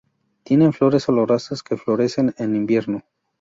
Tienen flores olorosas que florecen en invierno.